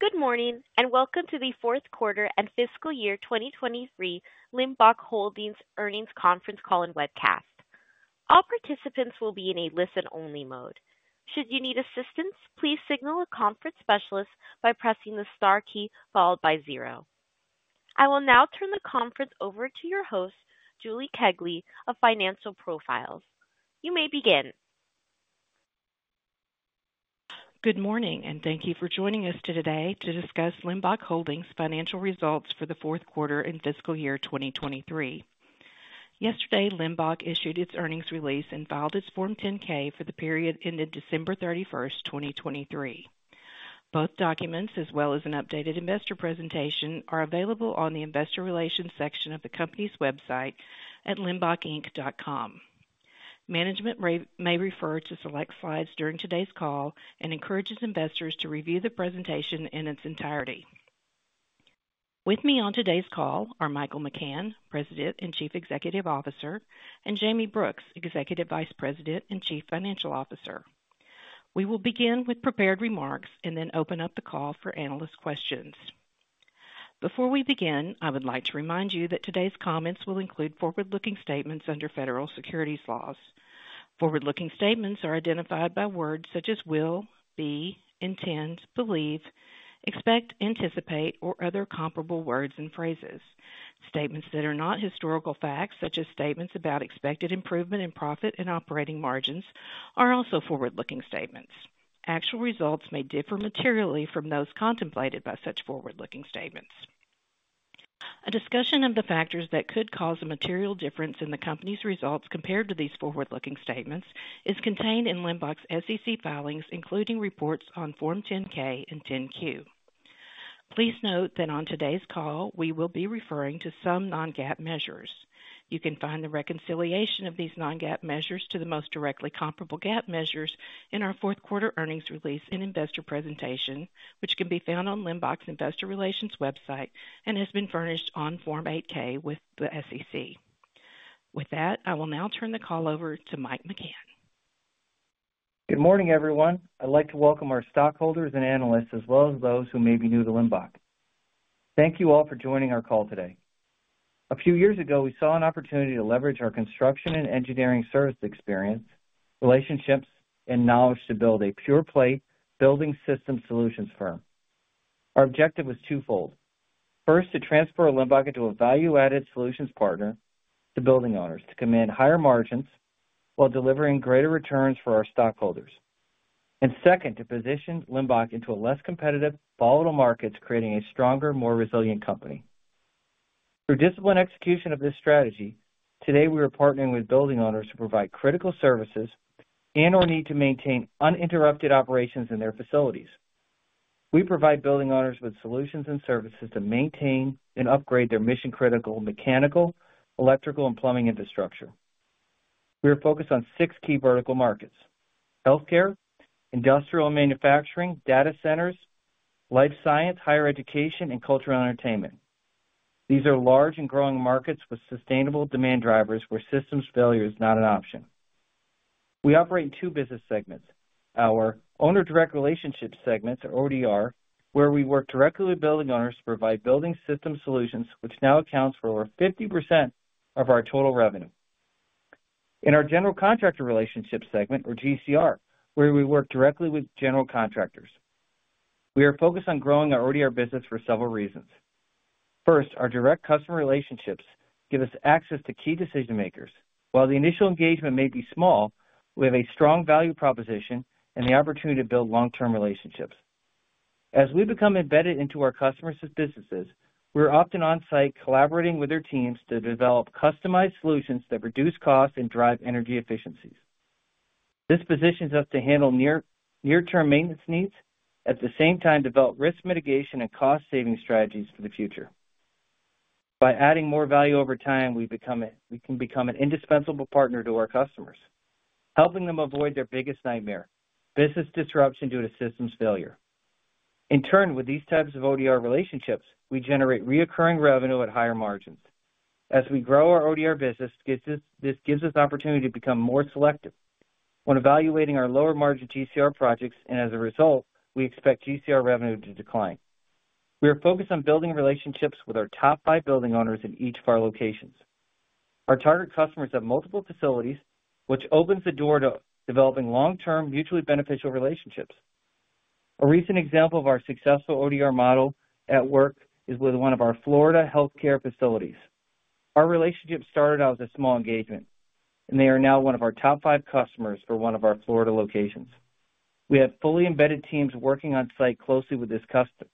Good morning, and welcome to the Q4 and Fiscal Year 2023 Limbach Holdings Earnings Conference Call and Webcast. All participants will be in a listen-only mode. Should you need assistance, please signal a conference specialist by pressing the star key followed by zero. I will now turn the conference over to your host, Julie Kegley of Financial Profiles. You may begin. Good morning, and thank you for joining us today to discuss Limbach Holdings' financial results for the Q4 and fiscal year 2023. Yesterday, Limbach issued its earnings release and filed its Form 10-K for the period ended December 31, 2023. Both documents, as well as an updated investor presentation, are available on the Investor Relations section of the company's website at limbachinc.com. Management may refer to select slides during today's call and encourages investors to review the presentation in its entirety. With me on today's call are Michael McCann, President and Chief Executive Officer, and Jayme Brooks, Executive Vice President and Chief Financial Officer. We will begin with prepared remarks and then open up the call for analyst questions. Before we begin, I would like to remind you that today's comments will include forward-looking statements under federal securities laws. Forward-looking statements are identified by words such as will, be, intend, believe, expect, anticipate, or other comparable words and phrases. Statements that are not historical facts, such as statements about expected improvement in profit and operating margins, are also forward-looking statements. Actual results may differ materially from those contemplated by such forward-looking statements. A discussion of the factors that could cause a material difference in the company's results compared to these forward-looking statements is contained in Limbach's SEC filings, including reports on Form 10-K and 10-Q. Please note that on today's call, we will be referring to some non-GAAP measures. You can find the reconciliation of these non-GAAP measures to the most directly comparable GAAP measures in our Q4 earnings release and investor presentation, which can be found on Limbach's Investor Relations website and has been furnished on Form 8-K with the SEC.With that, I will now turn the call over to Mike McCann. Good morning, everyone. I'd like to welcome our stockholders and analysts, as well as those who may be new to Limbach. Thank you all for joining our call today. A few years ago, we saw an opportunity to leverage our construction and engineering service experience, relationships, and knowledge to build a pure-play building system solutions firm. Our objective was twofold: first, to transform Limbach into a value-added solutions partner to building owners, to command higher margins while delivering greater returns for our stockholders. And second, to position Limbach into a less competitive, volatile market, creating a stronger, more resilient company. Through disciplined execution of this strategy, today, we are partnering with building owners to provide critical services and/or need to maintain uninterrupted operations in their facilities. We provide building owners with solutions and services to maintain and upgrade their mission-critical mechanical, electrical, and plumbing infrastructure. We are focused on six key vertical markets: healthcare, industrial and manufacturing, data centers, life science, higher education, and cultural entertainment. These are large and growing markets with sustainable demand drivers where systems failure is not an option. We operate in two business segments. Our Owner Direct Relationships segments, or ODR, where we work directly with building owners to provide building system solutions, which now accounts for over 50% of our total revenue. In our General Contractor Relationships segment, or GCR, where we work directly with general contractors. We are focused on growing our ODR business for several reasons. First, our direct customer relationships give us access to key decision-makers. While the initial engagement may be small, we have a strong value proposition and the opportunity to build long-term relationships. As we become embedded into our customers' businesses, we're often on-site, collaborating with their teams to develop customized solutions that reduce costs and drive energy efficiencies. This positions us to handle near-term maintenance needs, at the same time, develop risk mitigation and cost-saving strategies for the future. By adding more value over time, we can become an indispensable partner to our customers, helping them avoid their biggest nightmare: business disruption due to systems failure. In turn, with these types of ODR relationships, we generate recurring revenue at higher margins. As we grow our ODR business, this gives us the opportunity to become more selective when evaluating our lower-margin GCR projects, and as a result, we expect GCR revenue to decline. We are focused on building relationships with our top five building owners in each of our locations. Our target customers have multiple facilities, which opens the door to developing long-term, mutually beneficial relationships. A recent example of our successful ODR model at work is with one of our Florida healthcare facilities. Our relationship started out as a small engagement, and they are now one of our top five customers for one of our Florida locations. We have fully embedded teams working on-site closely with this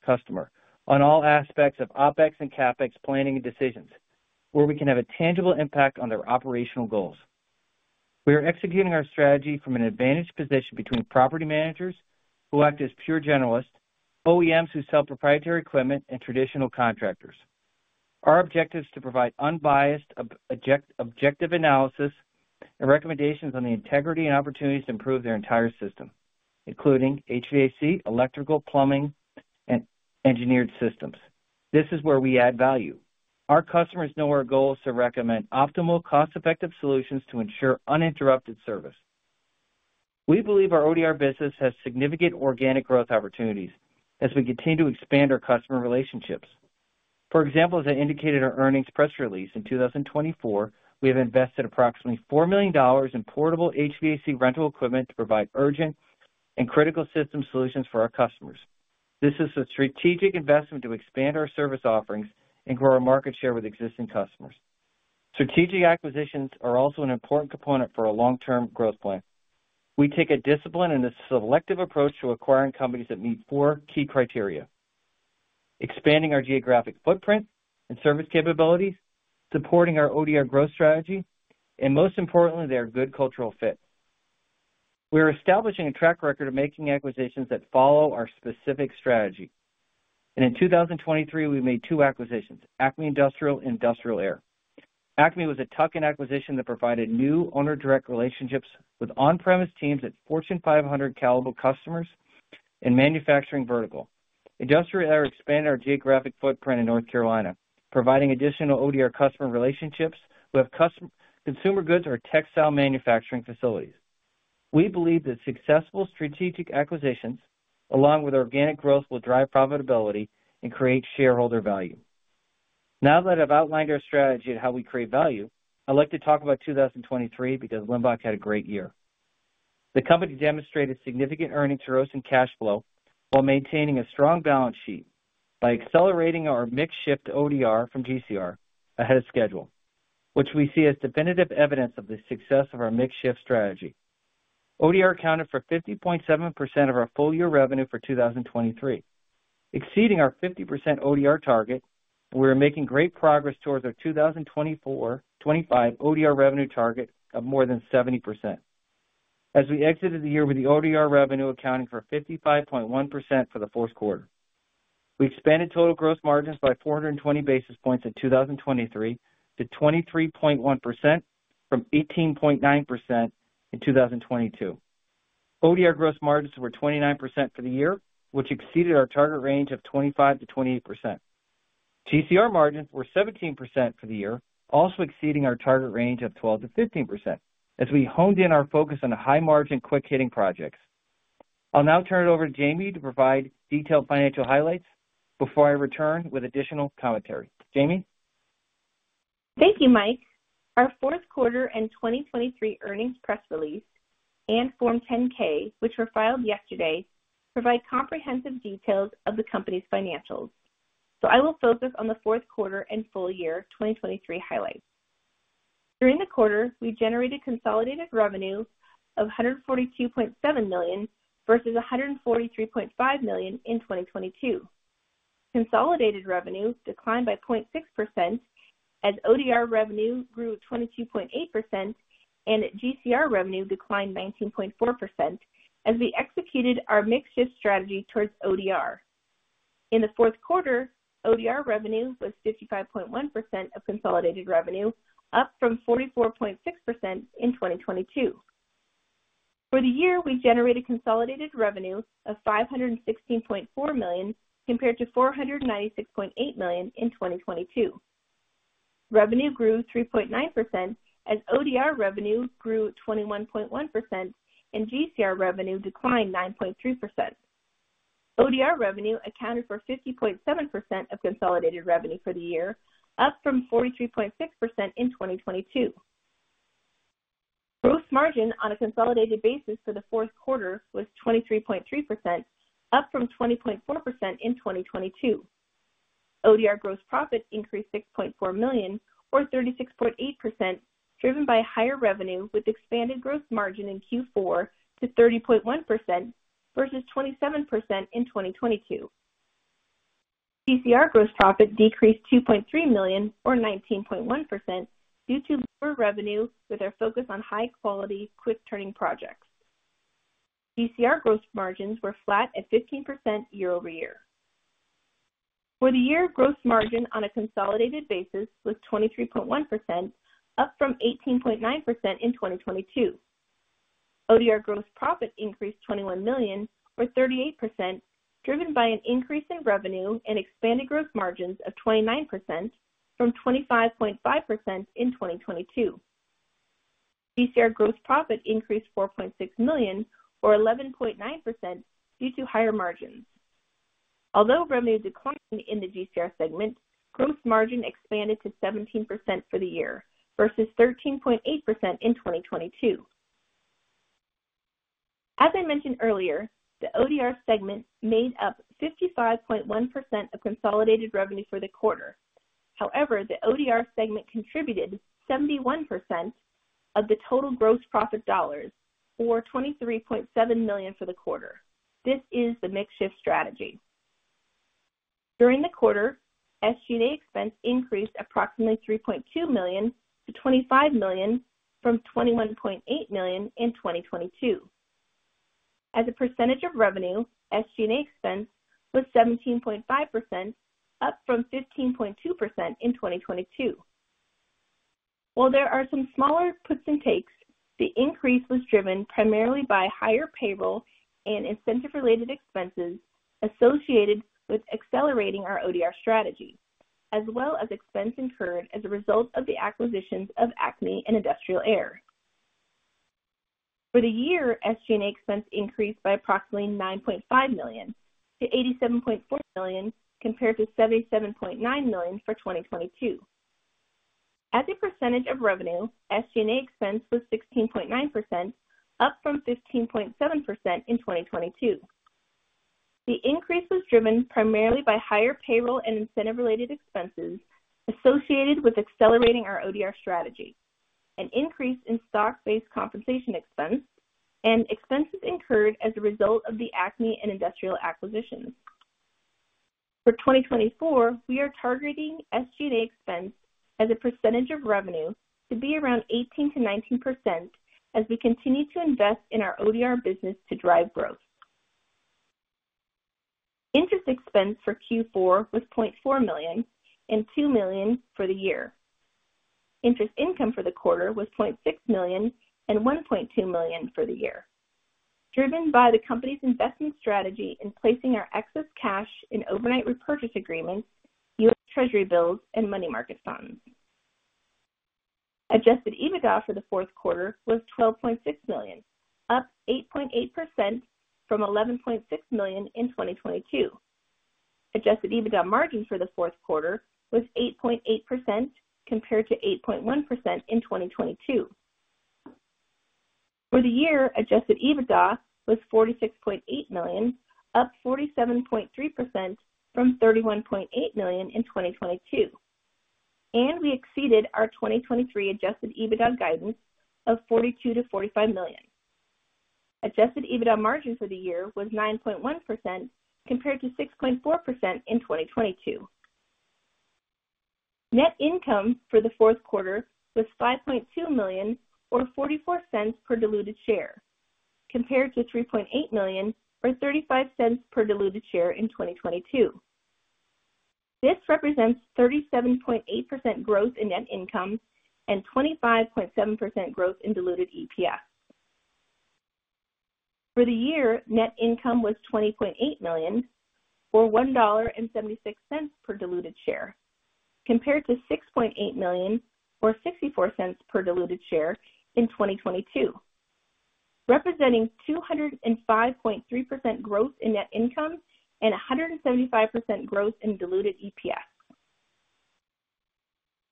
customer on all aspects of OpEx and CapEx planning and decisions, where we can have a tangible impact on their operational goals. We are executing our strategy from an advantaged position between property managers, who act as pure generalists, OEMs who sell proprietary equipment, and traditional contractors. Our objective is to provide unbiased, objective analysis and recommendations on the integrity and opportunities to improve their entire system, including HVAC, electrical, plumbing, and engineered systems. This is where we add value. Our customers know our goal is to recommend optimal, cost-effective solutions to ensure uninterrupted service. We believe our ODR business has significant organic growth opportunities as we continue to expand our customer relationships. For example, as I indicated in our earnings press release, in 2024, we have invested approximately $4 million in portable HVAC rental equipment to provide urgent and critical system solutions for our customers. This is a strategic investment to expand our service offerings and grow our market share with existing customers. Strategic acquisitions are also an important component for our long-term growth plan. We take a disciplined and a selective approach to acquiring companies that meet four key criteria: expanding our geographic footprint and service capabilities, supporting our ODR growth strategy, and most importantly, they are a good cultural fit. We are establishing a track record of making acquisitions that follow our specific strategy, and in 2023, we made 2 acquisitions, Acme Industrial and Industrial Air. Acme was a tuck-in acquisition that provided new owner direct relationships with on-premise teams at Fortune 500 caliber customers in manufacturing vertical. Industrial Air expanded our geographic footprint in North Carolina, providing additional ODR customer relationships with custom consumer goods or textile manufacturing facilities. We believe that successful strategic acquisitions, along with organic growth, will drive profitability and create shareholder value. Now that I've outlined our strategy on how we create value, I'd like to talk about 2023, because Limbach had a great year. The company demonstrated significant earnings growth and cash flow while maintaining a strong balance sheet by accelerating our mix shift to ODR from GCR ahead of schedule, which we see as definitive evidence of the success of our mix shift strategy. ODR accounted for 50.7% of our full year revenue for 2023, exceeding our 50% ODR target. We are making great progress towards our 2024-25 ODR revenue target of more than 70%. As we exited the year with the ODR revenue accounting for 55.1% for the Q4, we expanded total gross margins by 420 basis points in 2023 to 23.1% from 18.9% in 2022. ODR gross margins were 29% for the year, which exceeded our target range of 25%-28%. GCR margins were 17% for the year, also exceeding our target range of 12%-15% as we honed in our focus on high margin, quick-hitting projects. I'll now turn it over to Jayme to provide detailed financial highlights before I return with additional commentary. Jayme? Thank you, Mike. Our Q4 and 2023 earnings press release and Form 10-K, which were filed yesterday, provide comprehensive details of the company's financials, so I will focus on the Q4 and full year 2023 highlights. During the quarter, we generated consolidated revenue of $142.7 million versus $143.5 million in 2022. Consolidated revenue declined by 0.6%, as ODR revenue grew 22.8% and GCR revenue declined 19.4% as we executed our mix shift strategy towards ODR. In the Q4, ODR revenue was 55.1% of consolidated revenue, up from 44.6% in 2022. For the year, we generated consolidated revenue of $516.4 million, compared to $496.8 million in 2022. Revenue grew 3.9%, and ODR revenue grew 21.1%, and GCR revenue declined 9.3%. ODR revenue accounted for 50.7% of consolidated revenue for the year, up from 43.6% in 2022. Gross margin on a consolidated basis for the Q4 was 23.3%, up from 20.4% in 2022. ODR gross profit increased $6.4 million, or 36.8%, driven by higher revenue, with expanded gross margin in Q4 to 30.1% versus 27% in 2022. GCR gross profit decreased $2.3 million, or 19.1%, due to lower revenue, with our focus on high quality, quick turning projects. GCR gross margins were flat at 15% year-over-year. For the year, gross margin on a consolidated basis was 23.1%, up from 18.9% in 2022. ODR gross profit increased $21 million, or 38%, driven by an increase in revenue and expanded gross margins of 29% from 25.5% in 2022. GCR gross profit increased $4.6 million, or 11.9%, due to higher margins. Although revenue declined in the GCR segment, gross margin expanded to 17% for the year versus 13.8% in 2022. As I mentioned earlier, the ODR segment made up 55.1% of consolidated revenue for the quarter. However, the ODR segment contributed 71% of the total gross profit dollars or $23.7 million for the quarter. This is the mix shift strategy. During the quarter, SG&A expense increased approximately $3.2 million to $25 million from $21.8 million in 2022. As a percentage of revenue, SG&A expense was 17.5%, up from 15.2% in 2022. While there are some smaller puts and takes, the increase was driven primarily by higher payroll and incentive related expenses associated with accelerating our ODR strategy, as well as expense incurred as a result of the acquisitions of Acme and Industrial Air. For the year, SG&A expense increased by approximately $9.5 million to $87.4 million, compared to $77.9 million for 2022. As a percentage of revenue, SG&A expense was 16.9%, up from 15.7% in 2022. The increase was driven primarily by higher payroll and incentive related expenses associated with accelerating our ODR strategy, an increase in stock-based compensation expense and expenses incurred as a result of the Acme and Industrial acquisitions. For 2024, we are targeting SG&A expense as a percentage of revenue to be around 18%-19% as we continue to invest in our ODR business to drive growth. Interest expense for Q4 was $0.4 million and $2 million for the year. Interest income for the quarter was $0.6 million and $1.2 million for the year, driven by the company's investment strategy in placing our excess cash in overnight repurchase agreements, U.S. Treasury bills and money market funds. Adjusted EBITDA for the Q4 was $12.6 million, up 8.8% from $11.6 million in 2022. Adjusted EBITDA margin for the Q4 was 8.8%, compared to 8.1% in 2022. For the year, adjusted EBITDA was $46.8 million, up 47.3% from $31.8 million in 2022, and we exceeded our 2023 adjusted EBITDA guidance of $42 million-$45 million. Adjusted EBITDA margin for the year was 9.1%, compared to 6.4% in 2022. Net income for the Q4 was $5.2 million, or $0.44 per diluted share, compared to $3.8 million or $0.35 per diluted share in 2022. This represents 37.8% growth in net income and 25.7% growth in diluted EPS. For the year, net income was $20.8 million, or $1.76 per diluted share, compared to $6.8 million or $0.64 per diluted share in 2022, representing 205.3% growth in net income and 175% growth in diluted EPS.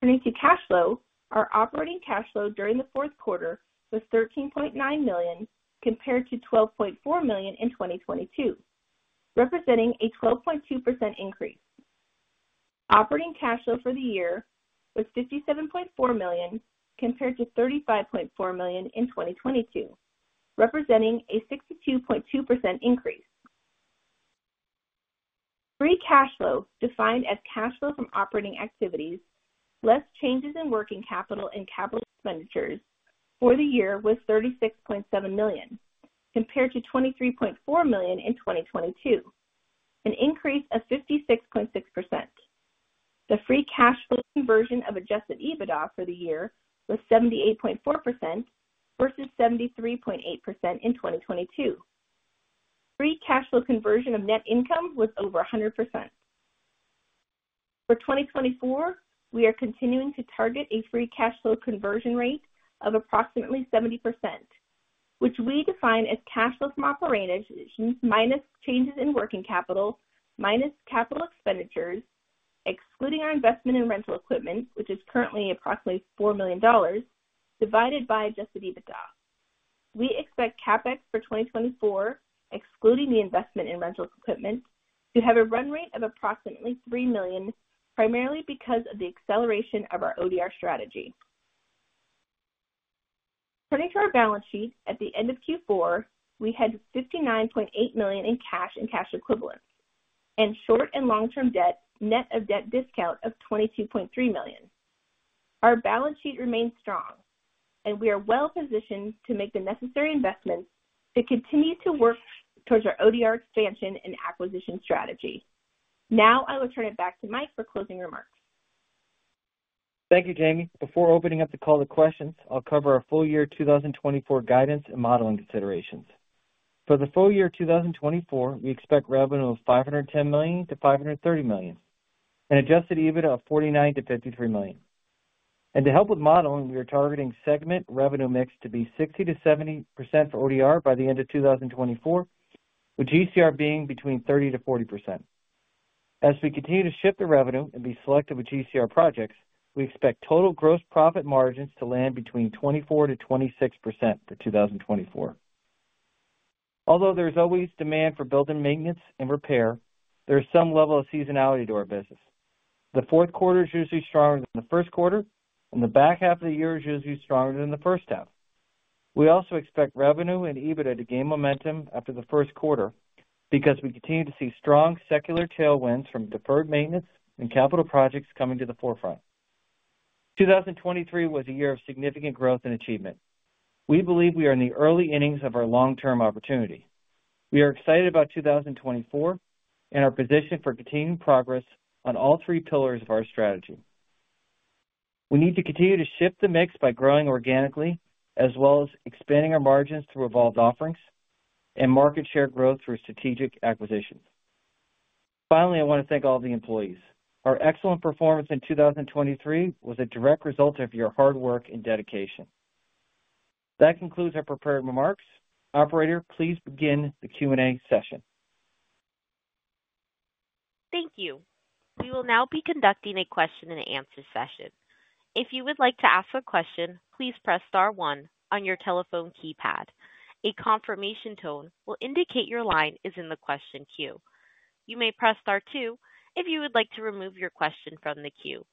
Turning to cash flow, our operating cash flow during the Q4 was $13.9 million, compared to $12.4 million in 2022, representing a 12.2% increase. Operating cash flow for the year was $57.4 million, compared to $35.4 million in 2022, representing a 62.2% increase. Free cash flow, defined as cash flow from operating activities, less changes in working capital and capital expenditures for the year, was $36.7 million, compared to $23.4 million in 2022, an increase of 56.6%. The free cash flow conversion of Adjusted EBITDA for the year was 78.4% versus 73.8% in 2022. Free cash flow conversion of net income was over 100%. For 2024, we are continuing to target a free cash flow conversion rate of approximately 70%, which we define as cash flow from operations, minus changes in working capital, minus capital expenditures, excluding our investment in rental equipment, which is currently approximately $4 million, divided by Adjusted EBITDA. We expect CapEx for 2024, excluding the investment in rental equipment, to have a run rate of approximately $3 million, primarily because of the acceleration of our ODR strategy. Turning to our balance sheet, at the end of Q4, we had $59.8 million in cash and cash equivalents, and short- and long-term debt, net of debt discount, of $22.3 million. Our balance sheet remains strong and we are well positioned to make the necessary investments to continue to work towards our ODR expansion and acquisition strategy. Now I will turn it back to Mike for closing remarks. Thank you, Jayme. Before opening up the call to questions, I'll cover our full year 2024 guidance and modeling considerations. For the full year 2024, we expect revenue of $510 million-$530 million, and Adjusted EBITDA of $49 million-$53 million. To help with modeling, we are targeting segment revenue mix to be 60%-70% for ODR by the end of 2024, with GCR being between 30%-40%. As we continue to shift the revenue and be selective with GCR projects, we expect total gross profit margins to land between 24%-26% for 2024. Although there is always demand for building maintenance and repair, there is some level of seasonality to our business. The Q4 is usually stronger than the Q1, and the back half of the year is usually stronger than the H1. We also expect revenue and EBITDA to gain momentum after the Q1 because we continue to see strong secular tailwinds from deferred maintenance and capital projects coming to the forefront. 2023 was a year of significant growth and achievement. We believe we are in the early innings of our long-term opportunity.... We are excited about 2024 and our position for continuing progress on all three pillars of our strategy. We need to continue to shift the mix by growing organically, as well as expanding our margins through evolved offerings and market share growth through strategic acquisitions. Finally, I want to thank all the employees. Our excellent performance in 2023 was a direct result of your hard work and dedication. That concludes our prepared remarks. Operator, please begin the Q&A session. Thank you. We will now be conducting a question-and-answer session. If you would like to ask a question, please press star one on your telephone keypad. A confirmation tone will indicate your line is in the question queue. You may press star two if you would like to remove your question from the queue.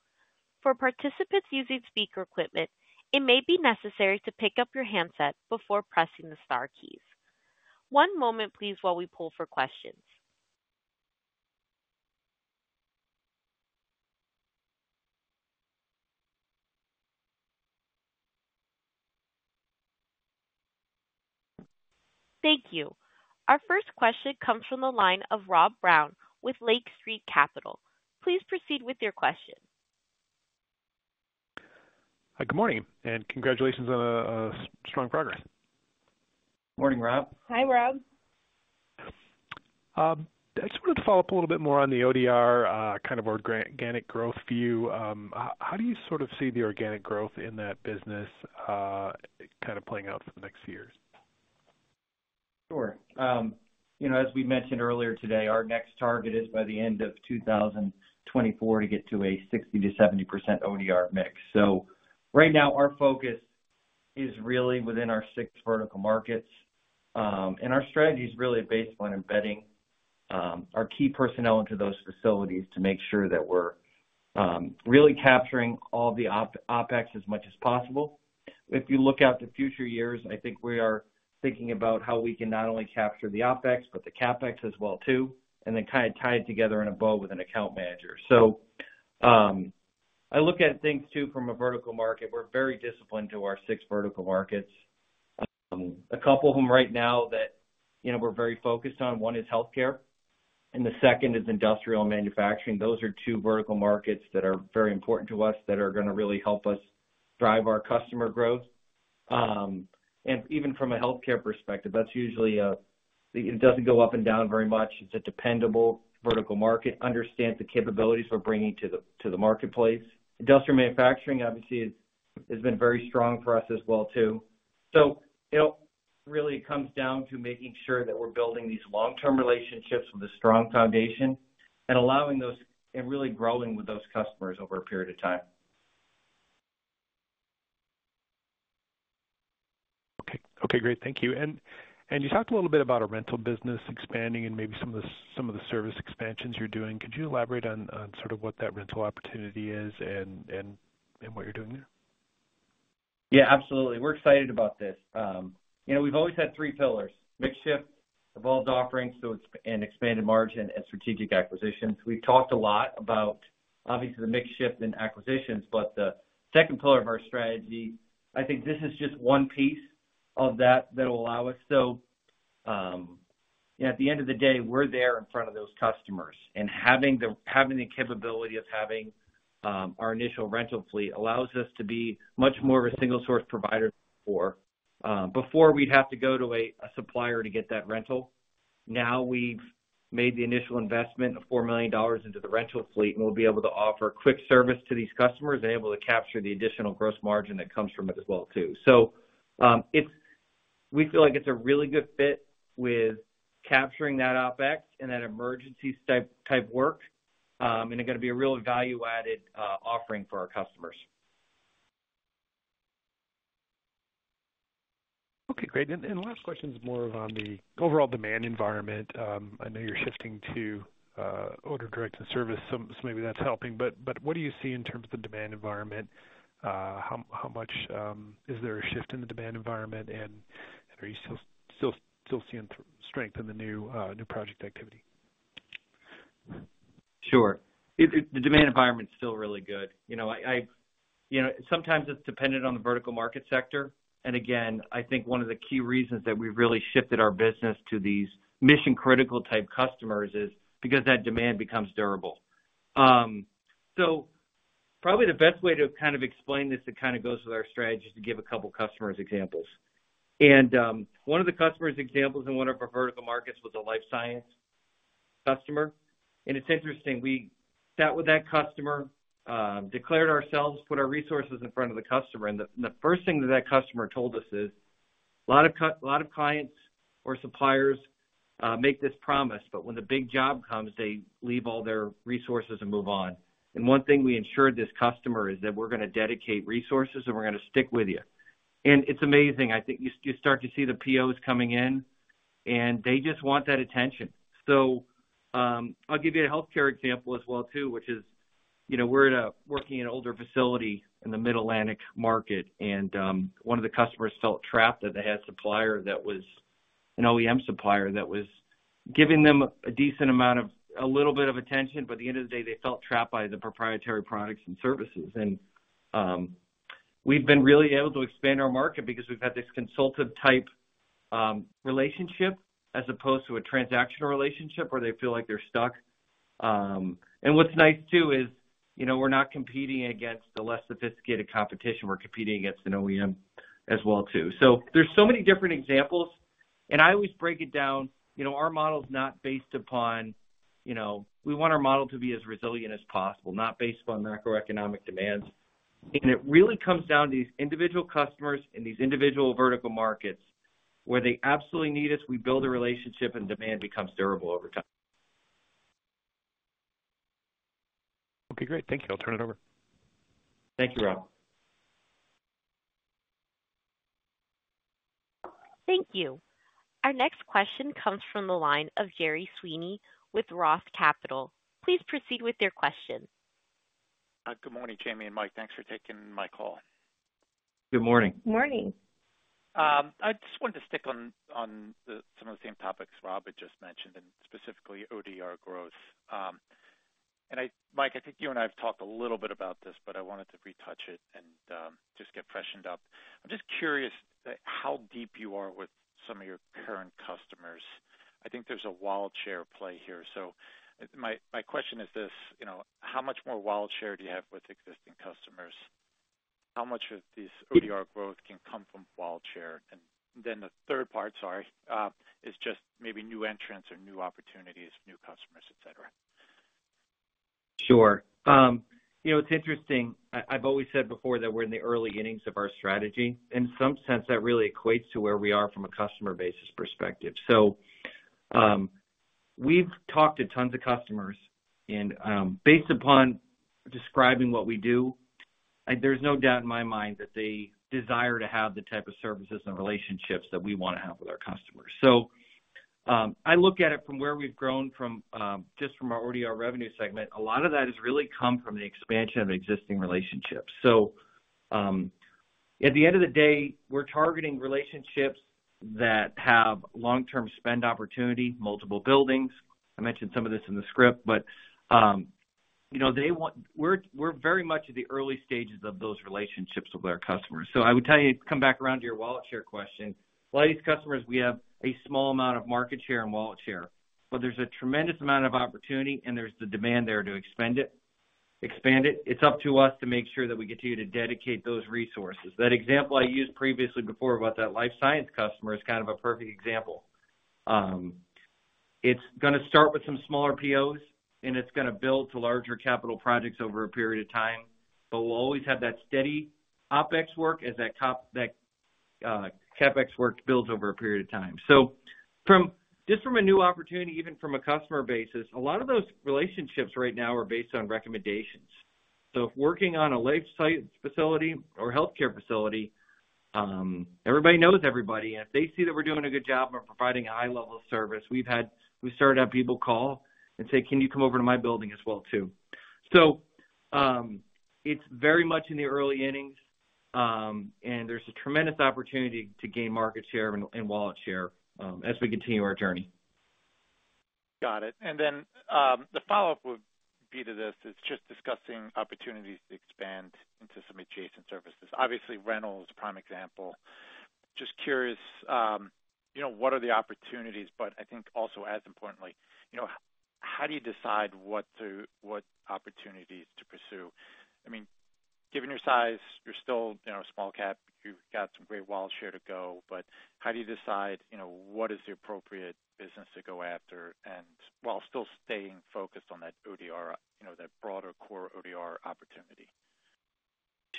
For participants using speaker equipment, it may be necessary to pick up your handset before pressing the star keys. One moment, please, while we pull for questions. Thank you. Our first question comes from the line of Rob Brown with Lake Street Capital. Please proceed with your question. Hi, good morning, and congratulations on strong progress. Morning, Rob. Hi, Rob. I just wanted to follow up a little bit more on the ODR, kind of organic growth view. How do you sort of see the organic growth in that business, kind of playing out for the next years? Sure. You know, as we mentioned earlier today, our next target is by the end of 2024 to get to a 60%-70% ODR mix. So right now, our focus is really within our six vertical markets. And our strategy is really based on embedding our key personnel into those facilities to make sure that we're really capturing all the OpEx as much as possible. If you look out to future years, I think we are thinking about how we can not only capture the OpEx, but the CapEx as well, too, and then kind of tie it together in a bow with an account manager. So I look at things too, from a vertical market. We're very disciplined to our six vertical markets. A couple of them right now that, you know, we're very focused on, one is healthcare, and the second is industrial manufacturing. Those are two vertical markets that are very important to us, that are going to really help us drive our customer growth. And even from a healthcare perspective, that's usually it doesn't go up and down very much. It's a dependable vertical market. Understand the capabilities we're bringing to the marketplace. Industrial manufacturing, obviously, has been very strong for us as well, too. So it really comes down to making sure that we're building these long-term relationships with a strong foundation and allowing those and really growing with those customers over a period of time. Okay, okay, great. Thank you. And you talked a little bit about our rental business expanding and maybe some of the service expansions you're doing. Could you elaborate on sort of what that rental opportunity is and what you're doing there? Yeah, absolutely. We're excited about this. You know, we've always had three pillars: mix shift, evolved offerings, so it's an expanded margin and strategic acquisitions. We've talked a lot about, obviously, the mix shift and acquisitions, but the second pillar of our strategy, I think this is just one piece of that, that will allow us. So, at the end of the day, we're there in front of those customers, and having the capability of having our initial rental fleet allows us to be much more of a single source provider before. Before we'd have to go to a supplier to get that rental. Now, we've made the initial investment of $4 million into the rental fleet, and we'll be able to offer quick service to these customers and able to capture the additional gross margin that comes from it as well, too. So, it's we feel like it's a really good fit with capturing that OpEx and that emergency type work, and they're going to be a real value-added offering for our customers. Okay, great. And the last question is more on the overall demand environment. I know you're shifting to owner direct to service, so maybe that's helping. But what do you see in terms of the demand environment? How much is there a shift in the demand environment? And are you still seeing strength in the new project activity? Sure. The demand environment is still really good. You know, you know, sometimes it's dependent on the vertical market sector. And again, I think one of the key reasons that we've really shifted our business to these mission-critical type customers is because that demand becomes durable. So probably the best way to kind of explain this, it kind of goes with our strategy, is to give a couple of customers examples. And one of the customers examples in one of our vertical markets was a life science customer. And it's interesting, we sat with that customer, declared ourselves, put our resources in front of the customer, and the first thing that that customer told us is: A lot of clients or suppliers make this promise, but when the big job comes, they leave all their resources and move on. One thing we ensured this customer is that we're going to dedicate resources, and we're going to stick with you. It's amazing. I think you start to see the POs coming in, and they just want that attention. So, I'll give you a healthcare example as well, too, which is, you know, we're working in an older facility in the Mid-Atlantic market, and one of the customers felt trapped that they had a supplier that was an OEM supplier, that was giving them a decent amount of, a little bit of attention, but at the end of the day, they felt trapped by the proprietary products and services. We've been really able to expand our market because we've had this consultative type relationship as opposed to a transactional relationship where they feel like they're stuck. And what's nice, too, is, you know, we're not competing against the less sophisticated competition. We're competing against an OEM as well, too. So there's so many different examples, and I always break it down. You know, our model is not based upon, you know, we want our model to be as resilient as possible, not based upon macroeconomic demands. And it really comes down to these individual customers and these individual vertical markets where they absolutely need us. We build a relationship and demand becomes durable over time. Okay, great. Thank you. I'll turn it over. Thank you, Rob. Thank you. Our next question comes from the line of Gerry Sweeney with Roth Capital. Please proceed with your question. Good morning, Jayme and Mike. Thanks for taking my call. Good morning. Morning. I just wanted to stick on some of the same topics Rob had just mentioned, and specifically ODR growth. And I, Mike, I think you and I have talked a little bit about this, but I wanted to retouch it and just get freshened up. I'm just curious how deep you are with some of your current customers. I think there's a wallet share play here. So my question is this: you know, how much more wallet share do you have with existing customers? How much of this ODR growth can come from wallet share? And then the third part is just maybe new entrants or new opportunities, new customers, et cetera. Sure. You know, it's interesting. I've always said before that we're in the early innings of our strategy. In some sense, that really equates to where we are from a customer basis perspective. So, we've talked to tons of customers, and based upon describing what we do, there's no doubt in my mind that they desire to have the type of services and relationships that we want to have with our customers. So, I look at it from where we've grown from just from our ODR revenue segment. A lot of that has really come from the expansion of existing relationships. So, at the end of the day, we're targeting relationships that have long-term spend opportunity, multiple buildings. I mentioned some of this in the script, but, you know, they want-- we're, we're very much at the early stages of those relationships with our customers. So I would tell you, come back around to your wallet share question. A lot of these customers, we have a small amount of market share and wallet share, but there's a tremendous amount of opportunity and there's the demand there to expend it, expand it. It's up to us to make sure that we continue to dedicate those resources. That example I used previously before about that life science customer is kind of a perfect example. It's gonna start with some smaller POs, and it's gonna build to larger capital projects over a period of time, but we'll always have that steady OpEx work as that top, that, CapEx work builds over a period of time. So from... Just from a new opportunity, even from a customer basis, a lot of those relationships right now are based on recommendations. So if working on a life science facility or healthcare facility, everybody knows everybody, and if they see that we're doing a good job and we're providing a high level of service, we've started to have people call and say, "Can you come over to my building as well, too?" So, it's very much in the early innings, and there's a tremendous opportunity to gain market share and wallet share, as we continue our journey. Got it. And then, the follow-up would be, this is just discussing opportunities to expand into some adjacent services. Obviously, rental is a prime example. Just curious, you know, what are the opportunities? But I think also as importantly, you know, how do you decide what to—what opportunities to pursue? I mean, given your size, you're still, you know, a small cap. You've got some great wallet share to go, but how do you decide, you know, what is the appropriate business to go after and while still staying focused on that ODR, you know, that broader core ODR opportunity?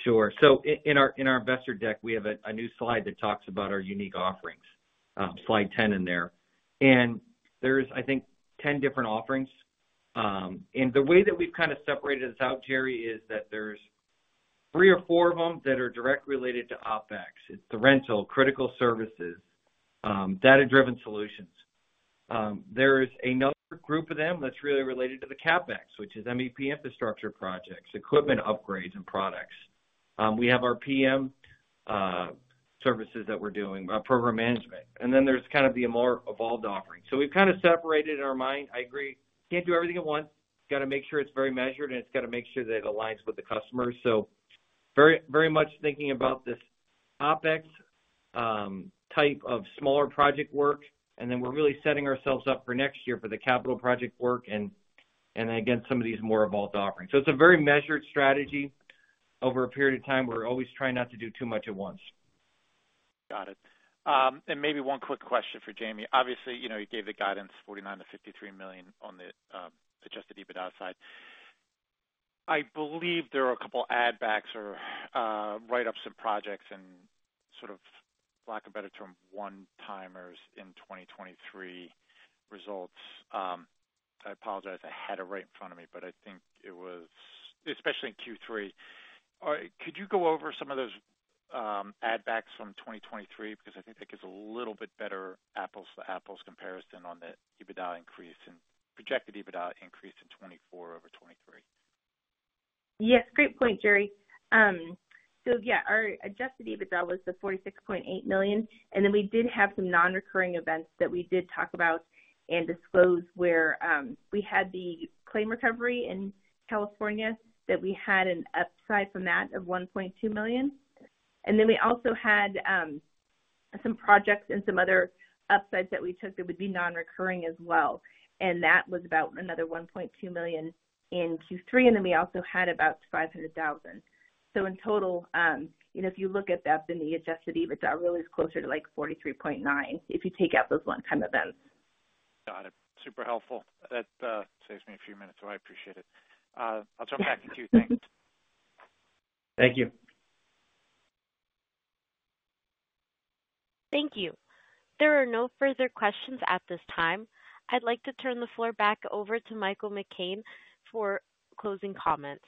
Sure. So in our investor deck, we have a new slide that talks about our unique offerings, slide 10 in there. And there's, I think, 10 different offerings. And the way that we've kind of separated this out, Gerry, is that there's three or four of them that are direct related to OpEx. It's the rental, critical services, data-driven solutions. There is another group of them that's really related to the CapEx, which is MEP infrastructure projects, equipment upgrades and products. We have our PM services that we're doing, our program management, and then there's kind of the more evolved offerings. So we've kind of separated in our mind. I agree, can't do everything at once. Got to make sure it's very measured, and it's got to make sure that it aligns with the customers. So very, very much thinking about this OpEx type of smaller project work, and then we're really setting ourselves up for next year for the capital project work and, and again, some of these more evolved offerings. So it's a very measured strategy over a period of time. We're always trying not to do too much at once. Got it. And maybe one quick question for Jayme. Obviously, you know, you gave the guidance, $49 million-$53 million on the adjusted EBITDA side. I believe there are a couple of add backs or write ups and projects and sort of, lack of a better term, one-timers in 2023 results. I apologize. I had it right in front of me, but I think it was, especially in Q3. Could you go over some of those add backs from 2023? Because I think that gives a little bit better apples-to-apples comparison on the EBITDA increase and projected EBITDA increase in 2024 over 2023. Yes, great point, Gerry. So yeah, our Adjusted EBITDA was $46.8 million, and then we did have some non-recurring events that we did talk about and disclose, where we had the claim recovery in California, that we had an upside from that of $1.2 million. And then we also had some projects and some other upsides that we took that would be non-recurring as well, and that was about another $1.2 million in Q3, and then we also had about $500,000. So in total, you know, if you look at that, then the Adjusted EBITDA really is closer to like $43.9 million, if you take out those one-time events. Got it. Super helpful. That saves me a few minutes, so I appreciate it. I'll turn it back to you. Thanks. Thank you. Thank you. There are no further questions at this time. I'd like to turn the floor back over to Michael McCann for closing comments.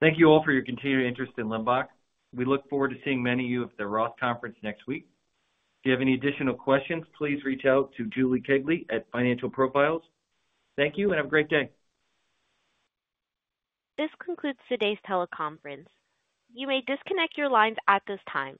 Thank you all for your continued interest in Limbach. We look forward to seeing many of you at the Roth Conference next week. If you have any additional questions, please reach out to Julie Kegley at Financial Profiles. Thank you, and have a great day. This concludes today's teleconference. You may disconnect your lines at this time.